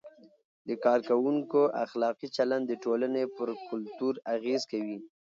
د کارکوونکو اخلاقي چلند د ټولنې پر کلتور اغیز کوي.